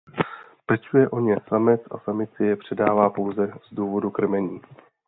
Pečuje o ně samec a samici je předává pouze z důvodu krmení.